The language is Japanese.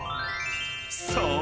［そう！